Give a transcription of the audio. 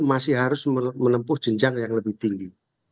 masih harus menempuh jenjang yang lebih tinggi